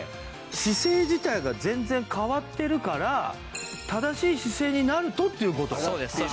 姿勢自体が全然変わってるから正しい姿勢になるとっていう事なのか。